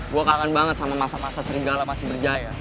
gue kaget banget sama masa masa serigala pas berjaya